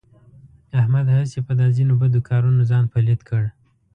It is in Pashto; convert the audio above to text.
احمد هسې په دا ځنې بدو کارونو ځان پلیت کړ.